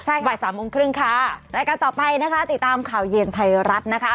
วันถึงศุกร์บ่าย๓โมงครึ่งค่ะและการต่อไปนะคะติดตามข่าวเย็นไทยรัฐนะคะ